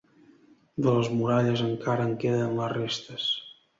De les muralles encara en queden les restes.